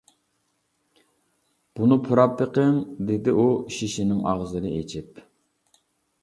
» بۇنى پۇراپ بېقىڭ «دېدى ئۇ شېشىنىڭ ئاغزىنى ئېچىپ.